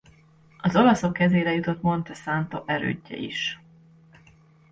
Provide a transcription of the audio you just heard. Az olaszok kezére jutott Monte Santo erődje is.